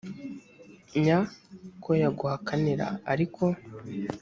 nya ko yaguhakanira ariko